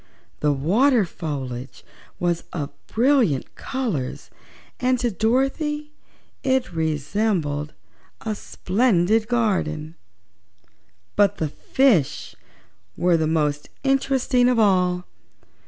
The water foliage was of brilliant colors and to Dorothy it resembled a splendid garden. But the fishes were the most interesting of all.